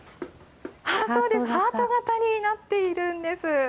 そうです、ハート形になっているんです。